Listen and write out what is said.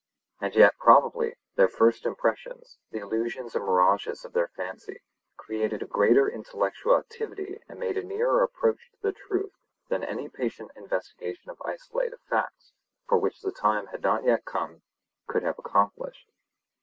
And yet, probably, their first impressions, the illusions and mirages of their fancy, created a greater intellectual activity and made a nearer approach to the truth than any patient investigation of isolated facts, for which the time had not yet come, could have accomplished.